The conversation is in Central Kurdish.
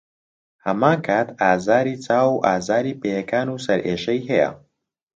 هەمانکات ئازاری چاو و ئازاری پێیەکان و سەرئێشەی هەیە.